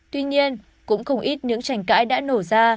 tuy nhiên cũng không ít những tranh cãi đã nổ ra